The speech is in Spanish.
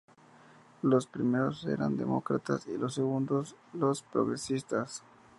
Los primeros eran los demócratas y los segundos los progresistas.